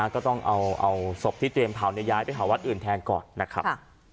ก็ต้องเอาศพที่เตรียมเผาย้ายไปหาวัดอื่นแทนก่อนนะครับ